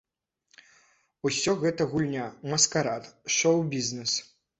Усё гэта гульня, маскарад, шоў-бізнэс.